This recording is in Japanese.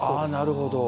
なるほど。